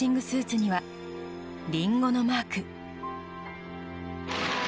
スーツにはリンゴのマーク。